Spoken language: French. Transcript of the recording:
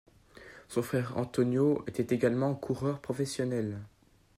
Son frère Antonio était également coureur professionnel.